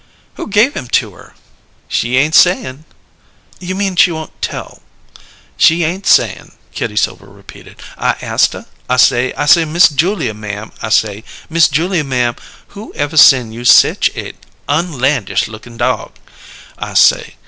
"Who gave him to her?" "She ain't sayin'." "You mean she won't tell?" "She ain't sayin'," Kitty Silver repeated. "I ast her. I say, I say: 'Miss Julia, ma'am,' I say, 'Miss Julia, ma'am, who ever sen' you sech a unlandish lookin' dog?' I say.